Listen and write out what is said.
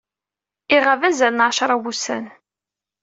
Iɣab azal n ɛecṛa n wussan.